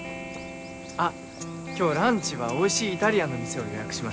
あっ今日ランチはおいしいイタリアンの店を予約しました。